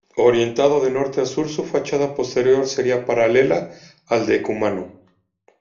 Orientado de norte a sur, su fachada posterior sería paralela al decumano.